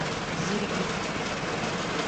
Zirigi.